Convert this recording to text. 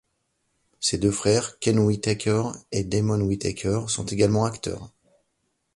Ses deux frères, Kenn Whitaker et Damon Whitaker, sont également acteurs.